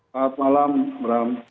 selamat malam bram